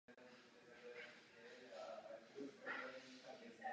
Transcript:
Tiskový orgán byl "Deutsche Presse".